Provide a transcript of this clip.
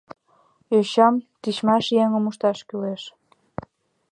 Йочам тичмаш еҥым ышташ кӱлеш.